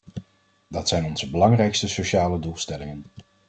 Dat zijn onze belangrijkste sociale doelstellingen.